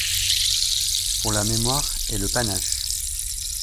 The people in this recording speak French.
Pour la mémoire et le panache.